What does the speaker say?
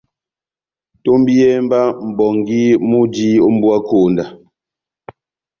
Tombiyɛhɛ mba mʼbongi múji ó mbuwa konda !